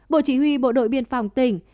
bộ chỉ huy bộ đội biên phòng tỉnh